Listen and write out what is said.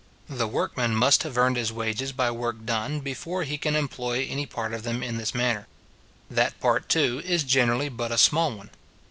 The workman must have earned his wages by work done, before he can employ any part of them in this manner. That part, too, is generally but a small one.